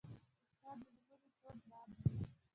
استاد د زړونو تود باد وي.